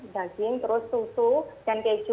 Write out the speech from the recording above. daging terus susu dan keju